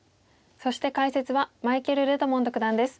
そして解説はマイケルレドモンド九段です。